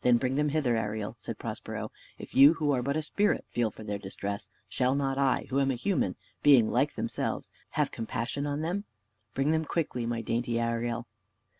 "Then bring them hither, Ariel," said Prospero: "if you, who are but a spirit, feel for their distress, shall not I, who am a human being like themselves, have compassion on them? Bring them, quickly, my dainty Ariel."